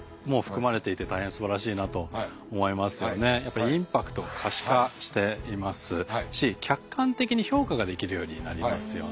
あのやはりやっぱりインパクトを可視化していますし客観的に評価ができるようになりますよね。